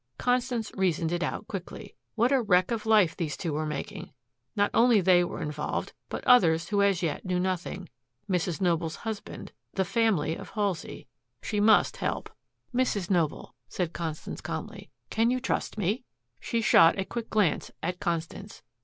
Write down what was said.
Constance reasoned it out quickly. What a wreck of life these two were making! Not only they were involved, but others who as yet knew nothing, Mrs. Noble's husband, the family of Halsey. She must help. "Mrs. Noble," said Constance calmly, "can you trust me?" She shot a quick glance at Constance.